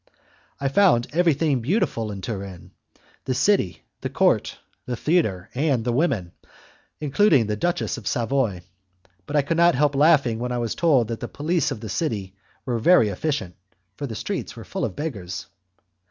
I found everything beautiful in Turin, the city, the court, the theatre, and the women, including the Duchess of Savoy, but I could not help laughing when I was told that the police of the city was very efficient, for the streets were full of beggars.